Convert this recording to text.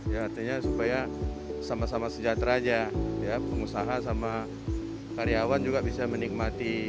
ya artinya supaya sama sama sejahtera aja pengusaha sama karyawan juga bisa menikmati